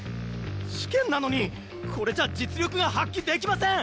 試験なのにこれじゃ実力が発揮できません！